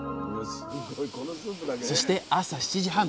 そして朝７時半。